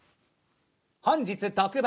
本日特売。